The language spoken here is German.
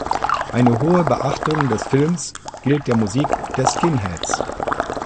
Eine hohe Beachtung des Films gilt der Musik der Skinheads.